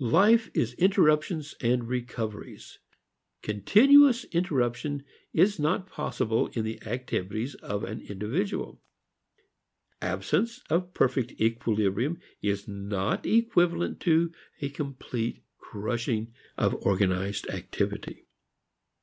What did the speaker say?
Life is interruptions and recoveries. Continuous interruption is not possible in the activities of an individual. Absence of perfect equilibrium is not equivalent to a complete crushing of organized activity.